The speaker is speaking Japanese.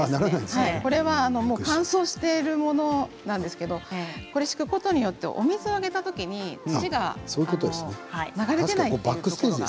乾燥しているものなんですけれど敷くことによってお水を入れたときに水が流れ出ないんです。